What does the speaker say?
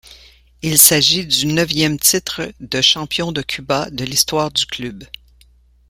Il s'agit du neuvième titre de champion de Cuba de l'histoire du club.